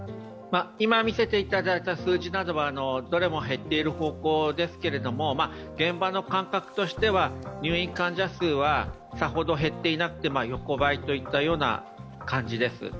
今見せていただいた数字などはどれも減っている方向ですけれども、現場の感覚としては入院患者数はさほど減っていなくて横ばいといったような感じです。